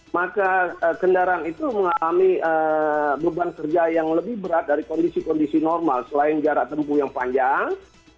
maka kendaraan itu mengalami beban kerja yang lebih berat dari kondisi kondisi normal selain jarak tempuh yang panjang